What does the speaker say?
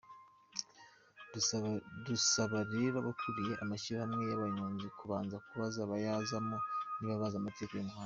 Dusaba rero abakuriye amashyirahamwe y’abanyonzi kubanza kubaza abayazamo niba bazi amategeko y’umuhanda.